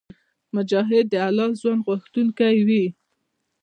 مجاهد د حلال ژوند غوښتونکی وي.